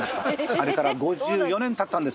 あれから５４年経ったんです。